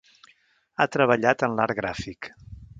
Ha treballat en l'art gràfic.